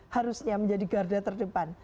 harusnya menjadi garda terdepan